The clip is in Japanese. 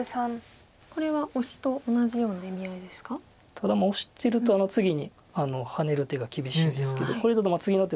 ただオシてると次にハネる手が厳しいんですけどこれだと次の手